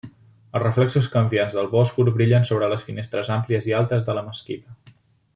Els reflexos canviants del Bòsfor brillen sobre les finestres àmplies i altes de la mesquita.